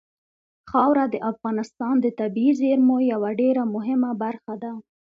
خاوره د افغانستان د طبیعي زیرمو یوه ډېره مهمه برخه ده.